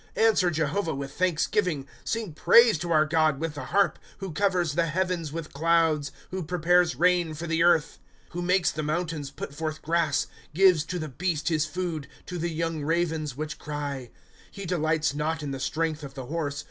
' Answer Jehovah with thanksgiving. Sing praise to our God with the harp ;" Who covers the heavens with clouds. Who prepares rain for the earth ; 307 ./Google PSALMS. * Who makes the mountains put forth grass, Gives to the beast his food, To the young ravens which cry. " He delights not in the strength of the horse.